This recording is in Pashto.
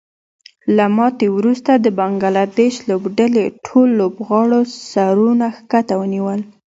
له ماتې وروسته د بنګلادیش لوبډلې ټولو لوبغاړو سرونه ښکته ونیول